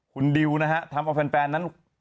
คุณดิวนะฮะทำเอาแฟนนั้น